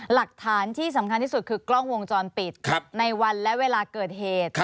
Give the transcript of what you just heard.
หลักฐานที่สำคัญที่สุดคือกล้องวงจรปิดในวันและเวลาเกิดเหตุ